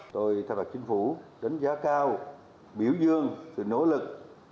tôi tham đoạn chính phủ đánh giá cao biểu dương sự nỗ lực